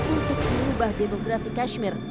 untuk mengubah demografi kashmir